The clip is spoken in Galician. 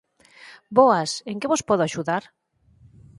Boas! En que vos podo axudar?